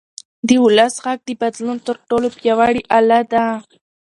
د ولس غږ د بدلون تر ټولو پیاوړی اله ده